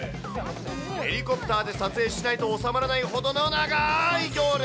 ヘリコプターで撮影しないと収まらないほどの長い行列。